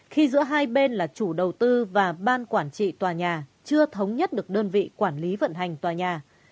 khi giữa hai bên là chủ đầu tư và ban quản trị tòa nhà chưa thống nhất được đơn vị quản lý vận hành tòa nhà